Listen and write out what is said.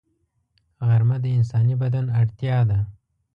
غرمه د انساني بدن اړتیا ده